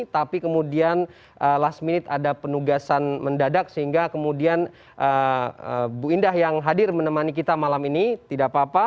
tapi kemudian last minute ada penugasan mendadak sehingga kemudian bu indah yang hadir menemani kita malam ini tidak apa apa